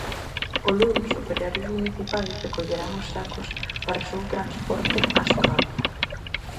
O luns, operarios municipais recollerán os sacos para o seu transporte a Sogama.